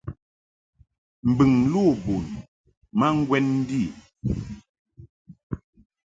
Mbɨŋ lo bun ma ŋgwɛn ndi.